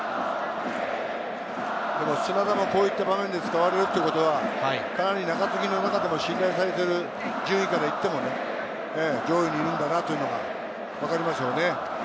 砂田もこういった場面で使われるっていうことは、かなり中継ぎの中でも信頼されている、順位からいっても上位にいるんだなってわかりますよね。